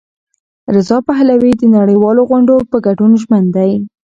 رضا پهلوي د نړیوالو غونډو په ګډون ژمن دی.